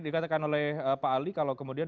dikatakan oleh pak ali kalau kemudian